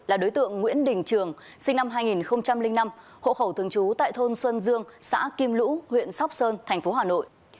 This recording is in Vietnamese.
là đối tượng nguyễn đình trường sinh năm hai nghìn năm hộ khẩu thường trú tại thôn xuân dương xã kim lũ huyện sóc sơn thành phố hà nội